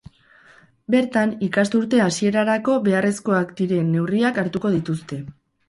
Bertan, ikasturte hasierarako beharrezkoak diren neurriak hartuko dituzte.